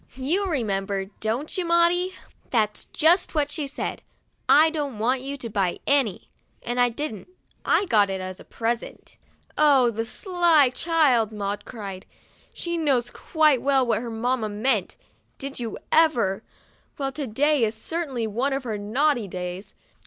* You remember, don't you, Maudie? That's just what she said, ' I don't want you to buy any,' and I didn't ; I got it as a present." 59 THE DIARY OF A BIRTHDAY DOLL " Oh, the sly child !' Maud cried. " She knows quite well what her mamma meant. Did you ever! Well, to day is certainly one of her naughty days.